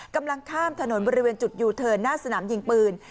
กำลังข้ามถนนบริเวณจุดยูเทิร์นหน้าสนามยิงปืน